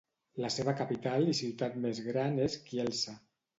La seva capital i ciutat més gran és Kielce.